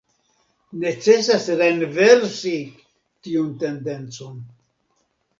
Necesas renversi tiun tendencon.